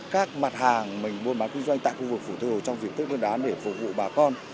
các mặt hàng mình mua bán kinh doanh tại khu vực phủ tây hồ trong diện tích nguyên đán để phục vụ bà con